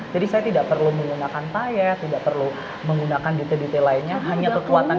jadi saya tidak perlu menggunakan tayet tidak perlu menggunakan detail detail lainnya hanya kekuatan benang